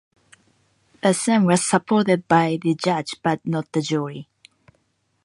Rassam was supported by the judge but not the jury.